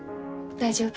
大丈夫。